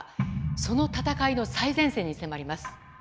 その闘いの最前線に迫ります。